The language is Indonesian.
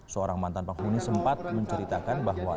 seorang mantan penghuni sempat menceritakan bahwa